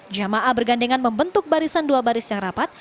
jamaah bergandengan membentuk barisan dua baris yang rapat